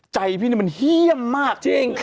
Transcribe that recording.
ใจพี่นี่มันเยี่ยมมากจริง